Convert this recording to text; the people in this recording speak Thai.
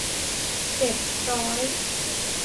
เจ็ดร้อย